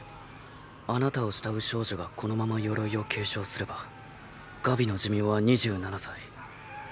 あなたを慕う少女がこのまま「鎧」を継承すればガビの寿命は２７歳。